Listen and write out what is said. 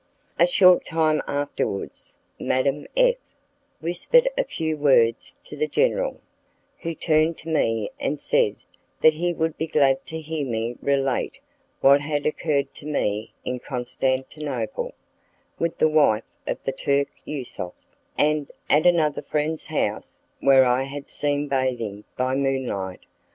A short time afterwards, Madame F whispered a few words to the general, who turned to me and said that he would be glad to hear me relate what had occurred to me in Constantinople with the wife of the Turk Yusuf, and at another friend's house, where I had seen bathing by moonlight.